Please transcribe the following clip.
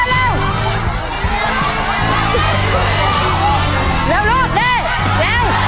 เออเร็ว